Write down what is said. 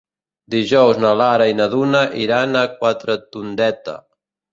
Dijous na Lara i na Duna iran a Quatretondeta.